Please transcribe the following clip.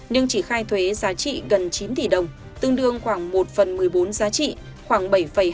nhưng chỉ khai thuế giá trị gần chín tỷ đồng tương đương khoảng một phần một mươi bốn giá trị khoảng bảy hai mươi